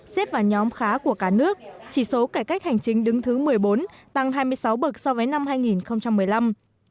xếp vào nhóm khá của cả nước chỉ số cải cách hành chính đứng thứ một mươi bốn tăng hai mươi sáu bậc so với năm hai nghìn một mươi năm